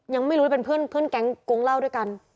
ยังไม่รู้เลยเป็นเพื่อนแก๊งกงเล่าด้วยกัน